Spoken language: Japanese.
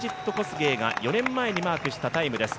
４年前にマークしたタイムです。